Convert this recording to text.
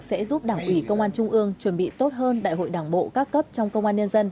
sẽ giúp đảng ủy công an trung ương chuẩn bị tốt hơn đại hội đảng bộ các cấp trong công an nhân dân